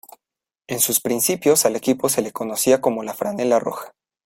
En sus principios al equipo se le conocía como la "Franela Roja".